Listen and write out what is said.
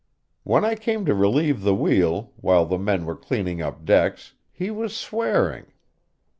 When I came to relieve the wheel, while the men were clearing up decks, he was swearing.